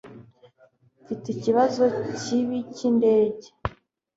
mfite ikibazo kibi cyindege